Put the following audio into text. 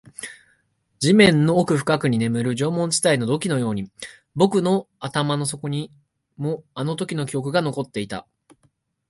地面の奥深くに眠る縄文時代の土器のように、僕の頭の底にもあのときの記憶が残っていた